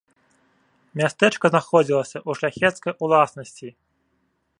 Мястэчка знаходзілася ў шляхецкай уласнасці.